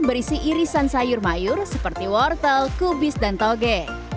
berisi irisan sayur mayur seperti wortel kubis dan toge